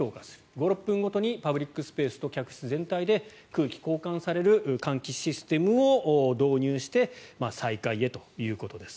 ５６分ごとにパブリックスペースと客室全体で空気が交換される換気システムを導入して再開へということです。